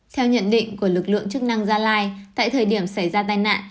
theo nhận định của lực lượng chức năng gia lai tại thời điểm xảy ra tai nạn